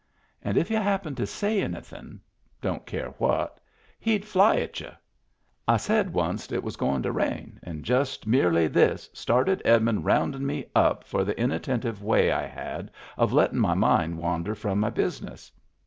And if y'u happened to say any thin' — don't care what — he'd fly at y'u. I said wunst it was goin' to rain, and just merely this started Edmund roundin' me up for the inatten tive way I had of lettin' my mind wander from my business.